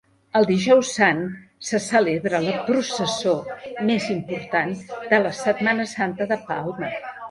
El Dijous Sant se celebra la processó més important de la Setmana Santa de Palma.